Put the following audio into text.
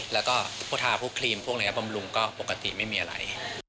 แล้วก็พวกทาพวกครีมพวกนี้บำรุงก็ปกติไม่มีอะไร